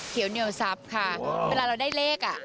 เขียวเหนี่ยวซับค่ะเวลาเราได้เลข